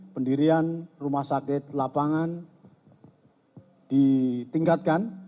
pendirian rumah sakit lapangan ditingkatkan